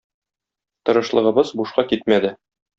Тырышлыгыбыз бушка китмәде.